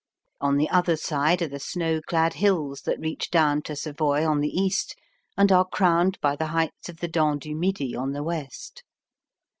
On the other side are the snow clad hills that reach down to Savoy on the east, and are crowned by the heights of the Dent du Midi on the west.